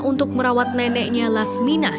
untuk merawat neneknya lasminah